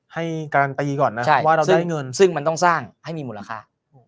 ให้การตีก่อนนะจริงมันต้องสร้างให้มีมูลค่า